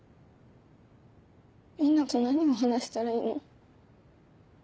みんなと何を話したらいいの？